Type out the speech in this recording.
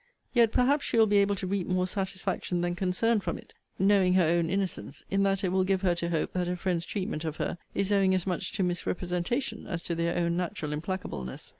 Yet, perhaps, she will be able to reap more satisfaction than concern from it, knowing her own innocence; in that it will give her to hope that her friends' treatment of her is owing as much to misrepresentation as to their own natural implacableness.